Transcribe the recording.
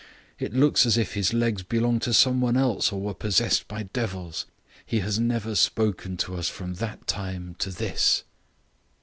It looks as if his legs belonged to some one else or were possessed by devils. He has never spoken to us from that time to this."